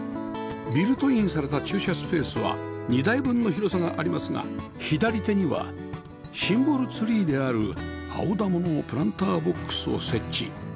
ビルトインされた駐車スペースは２台分の広さがありますが左手にはシンボルツリーであるアオダモのプランターボックスを設置